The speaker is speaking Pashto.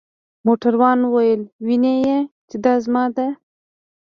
موټروان وویل: وینې يې؟ چې دا زما ده.